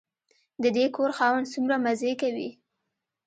د دې کور خاوند څومره مزې کوي.